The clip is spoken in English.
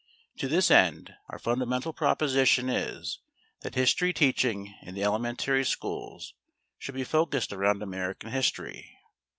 To this end, our fundamental proposition is, that history teaching in the elementary schools should be focused around American history.